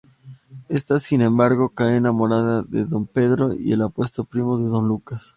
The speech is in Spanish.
Ésta sin embargo, cae enamorada de Don Pedro, el apuesto primo de Don Lucas.